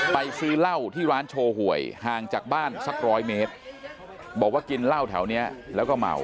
ซื้อเหล้าที่ร้านโชว์หวยห่างจากบ้านสักร้อยเมตรบอกว่ากินเหล้าแถวนี้แล้วก็เมา